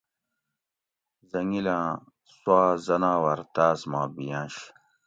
حٔنگیلاۤں سوا حٔناۤور تاس ما ِبیٔنش